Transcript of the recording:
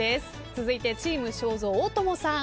続いてチーム正蔵大友さん。